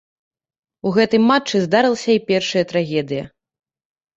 У гэтым матчы здарылася й першая трагедыя.